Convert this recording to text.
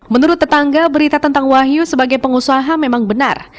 menurut tetangga berita tentang wahyu sebagai pengusaha memang benar